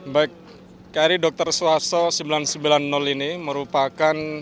baik kri dr suharto sembilan ratus sembilan puluh ini merupakan